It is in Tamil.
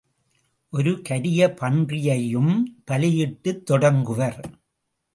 ஒரு கரிய பன்றியையும் பலியிட்டுத் தொடங்குவர்.